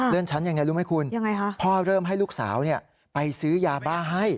ชั้นยังไงรู้ไหมคุณพ่อเริ่มให้ลูกสาวไปซื้อยาบ้าให้